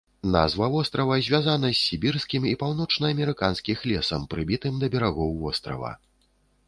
Назва вострава звязана з сібірскім і паўночнаамерыканскіх лесам, прыбітым да берагоў вострава.